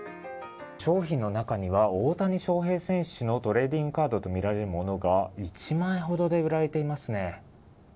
商品の中には大谷翔平選手のトレーディングカードとみられるものが１万円ほどで売られていますね。